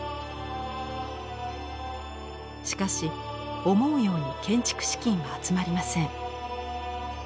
しかし思うように建設資金は集まりません。